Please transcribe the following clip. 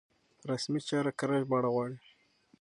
رسمي چارې کره ژبه غواړي.